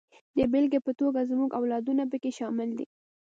د بېلګې په توګه زموږ اولادونه پکې شامل دي.